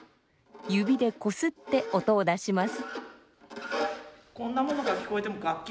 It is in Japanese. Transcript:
指でこすって音を出します。